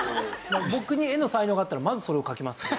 僕に絵の才能があったらまずそれを描きますね。